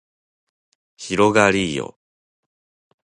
広がりーよ